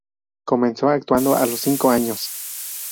Comenzó actuando a los cinco años.